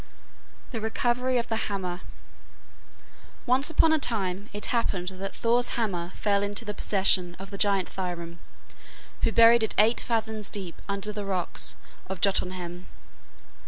THE RECOVERY OF THE HAMMER Once upon a time it happened that Thor's hammer fell into the possession of the giant Thrym, who buried it eight fathoms deep under the rocks of Jotunheim.